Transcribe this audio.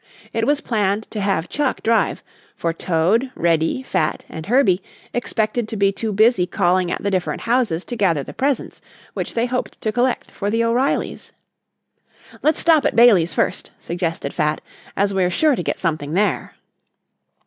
It was planned to have Chuck drive, for Toad, Reddy, Fat and Herbie expected to be too busy calling at the different houses to gather the presents which they hoped to collect for the O'Reillys. "Let's stop at Bailey's first," suggested Fat, "as we're sure to get something there."